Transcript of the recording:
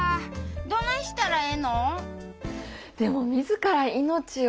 どないしたらええの？